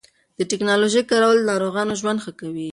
د ټېکنالوژۍ کارول د ناروغانو ژوند ښه کوي.